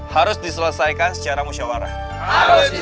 harus diselesaikan secara musyawarah